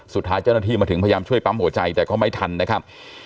สุดท้ายเจ้าหน้าที่มาถึงพยายามช่วยปั๊มหัวใจแต่ก็ไม่ทันนะครับ